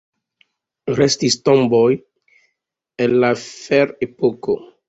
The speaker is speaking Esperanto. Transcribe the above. Restis tomboj el la ferepoko.